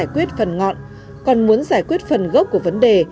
giải quyết phần ngọn còn muốn giải quyết phần gốc của vấn đề